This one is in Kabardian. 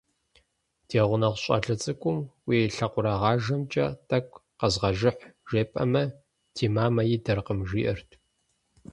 Ди гъунэгъу щӏалэ цӏыкӏум «уи лъакъуэрыгъажэмкӏэ тӏэкӏу къэзгъэжыхь» жепӏэмэ, «ди мамэ идэркъым» жиӏэрт.